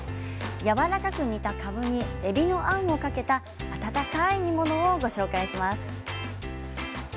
やわらかく煮たかぶにえびのあんをかけた温かい煮物をご紹介します。